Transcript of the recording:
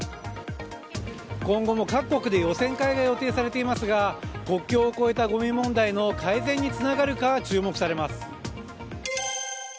今後も各国で予選会が予定されていますが国境を越えたごみ問題の改善につながるか注目されます。